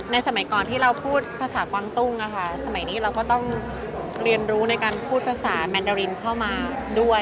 สมัยก่อนที่เราพูดภาษากวางตุ้งสมัยนี้เราก็ต้องเรียนรู้ในการพูดภาษาแมนดารินเข้ามาด้วย